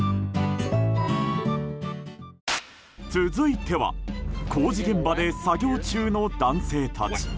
続いては工事現場で作業中の男性たち。